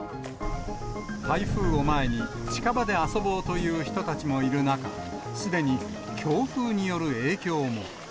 台風を前に、近場で遊ぼうという人たちもいる中、すでに強風による影響も。